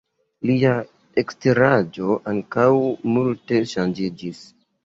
Lia eksteraĵo ankaŭ multe ŝanĝiĝis.